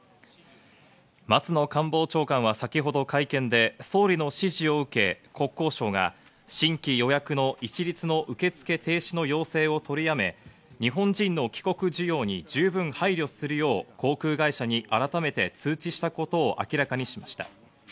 松野官房長官は先ほど会見で総理の指示を受け、国交省が新規予約の一律の受け付け停止の要請を取りやめ、日本人の帰国需要に十分配慮するよう航空会社に改めて通知したことを明らかにしました。